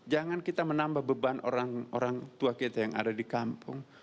jangan kita menambah beban orang tua kita yang ada di kampung